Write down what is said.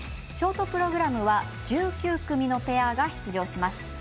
ショートプログラムは１９組のペアが出場します。